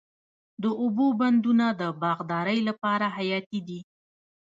د اوبو بندونه د باغدارۍ لپاره حیاتي دي.